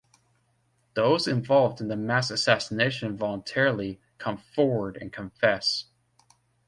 Those involved in the mass assassination voluntarily come forward and confess.